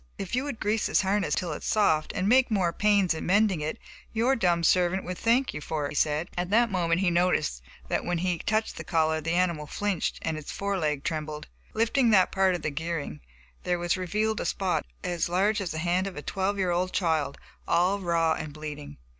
"If you would grease this harness until it is soft, and take more pains in mending it, your dumb servant would thank you for it," he said. At that moment he noticed that when he touched the collar the animal flinched and his fore leg trembled. Lifting that part of the gearing, there was revealed a spot as large as the hand of a twelve year old child, all raw and bleeding.